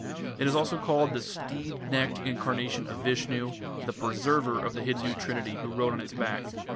It is also called "the steed necked incarnation of Vishnu", the "Preserver" of the Hindu trinity who rode on its back.